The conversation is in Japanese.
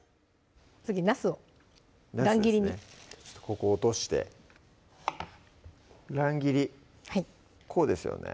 次なすを乱切りにここを落として乱切りこうですよね